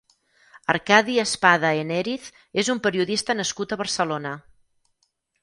Arcadi Espada Enériz és un periodista nascut a Barcelona.